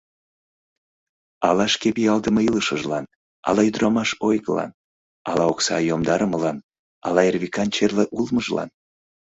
Ала шке пиалдыме илышыжлан, ала ӱдырамаш ойгылан, ала окса йомдарымылан, ала Эрвикан черле улмыжлан...